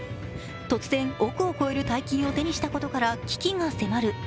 突然、億を超える大金を手にしたことから危機が迫る。